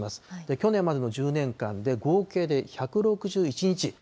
去年までの１０年間で合計で１６１日。